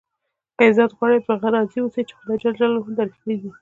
که عزت غواړئ؟ په هغه راضي اوسئ، چي خدای جل جلاله درکړي دي.